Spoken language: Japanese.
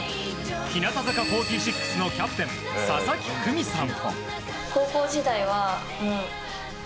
日向坂４６のキャプテン佐々木久美さん。